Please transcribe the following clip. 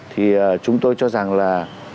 thì chúng tôi cho rằng là